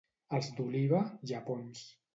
Els d'Oliva, llepons.